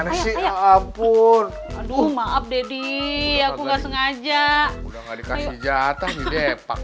aduh ampun aduh maaf deddy aku nggak sengaja udah nggak dikasih jatah di depak